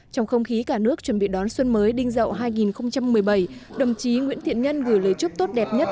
trong không khí cả nước chuẩn bị đón xuân mới đinh dậu hai nghìn một mươi bảy đồng chí nguyễn thiện nhân gửi lời chúc tốt đẹp nhất